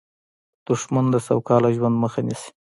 دښمن د سوکاله ژوند مخه نیسي